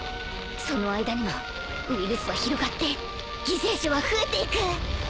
その間にもウイルスは広がって犠牲者は増えていく。